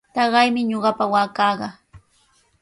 Taqaymi ñuqapa waakaqa.